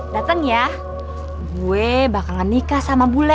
dateng ya gue bakalan nikah sama bule